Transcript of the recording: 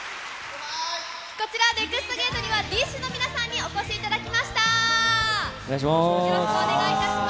こちら、ＮＥＸＴゲートには、ＤＩＳＨ／／の皆さんにお越しいただきました。